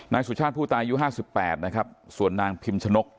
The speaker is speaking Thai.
นางสุชาติผู้ตายอายุห้าสิบแปดนะครับส่วนนางพิมจนกษ์